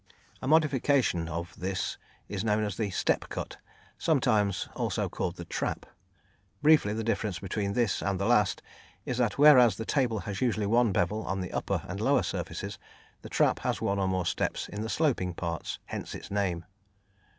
A modification of this is known as the "step" cut, sometimes also called the "trap." Briefly, the difference between this and the last is that whereas the table has usually one bevel on the upper and lower surfaces, the trap has one or more steps in the sloping parts, hence its name.